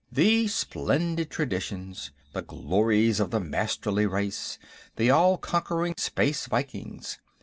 The splendid traditions. The glories of the Masterly race. The all conquering Space Vikings.